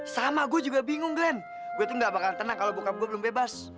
sama gue juga bingung glenn gue tuh gak bakal tenang kalau buka gue belum bebas